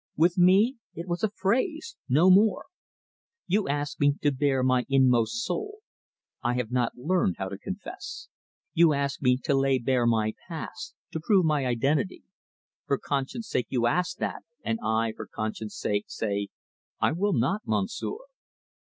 With me it was a phrase no more. You ask me to bare my inmost soul. I have not learned how to confess. You ask me to lay bare my past, to prove my identity. For conscience sake you ask that, and I for conscience sake say I will not, Monsieur.